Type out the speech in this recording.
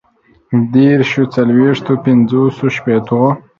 ديرشو، څلويښتو، پنځوسو، شپيتو